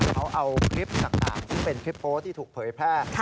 เขาเอาคลิปสักต่างซึ่งเป็นคลิปโป๊ะที่ถูกเผยแพร่